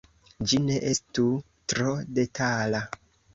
Ĝi ne estu tro detala.